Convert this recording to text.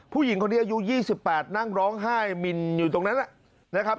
ผู้หญิงคนนี้อายุ๒๘นั่งร้องไห้มินอยู่ตรงนั้นนะครับ